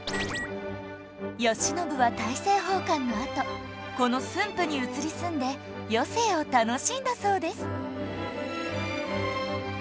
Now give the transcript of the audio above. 慶喜は大政奉還のあとこの駿府に移り住んで余生を楽しんだそうです